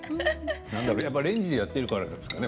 レンジでやっているからですかね。